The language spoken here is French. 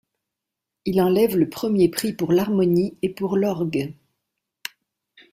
Il enlève le premier prix pour l'harmonie et pour l'orgue.